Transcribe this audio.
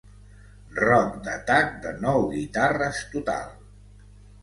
Rock d'atac de nou guitarres total.